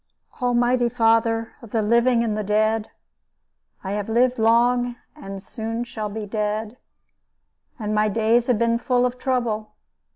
"Almighty Father of the living and the dead, I have lived long, and shall soon be dead, and my days have been full of trouble.